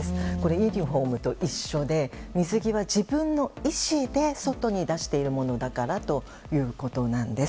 ユニホームと一緒で水着は自分の意思で外に出しているものだからということなんです。